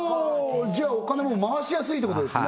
じゃあお金も回しやすいってことですね